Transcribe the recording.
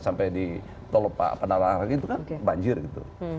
sampai di tolopak padangang itu kan banjir gitu